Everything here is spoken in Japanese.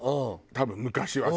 多分昔はさ。